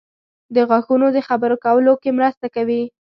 • غاښونه د خبرو کولو کې مرسته کوي.